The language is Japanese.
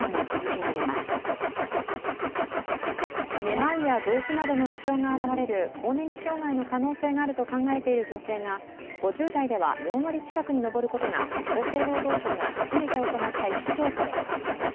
めまいやどうきなどの不調が現れる更年期障害の可能性があると考えている女性が５０代では４割近くに上ることが厚生労働省が初めて行った意識調査で分かりました。